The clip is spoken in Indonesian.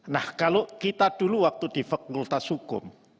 nah kalau kita dulu waktu di fakultas hukum